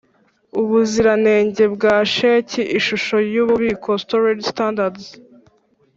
ubuziranenge bwa sheki ishusho n ububiko Storage Standards